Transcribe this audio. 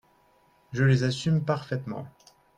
Je les assume parfaitement.